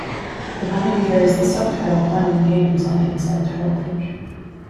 The volume carries the subtitle "Fun and Games" on the inside title page.